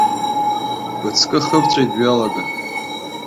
Быҵкы хыбҵәеит бҩалаган.